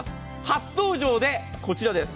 初登場でこちらです。